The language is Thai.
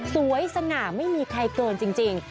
สง่าไม่มีใครเกินจริง